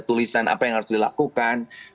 tulisan apa yang harus dilakukan